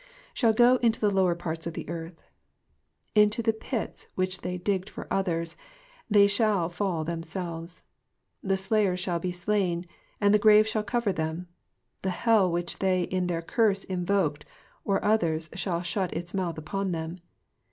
^^ Shall go into the lower parts of the earth.''' Into the pits which they digged for others they shall fall themselves. The slayers shall be slain, and the grave shall cover them. The hell which they in their curse invoked for others shall shut its mouth upon them.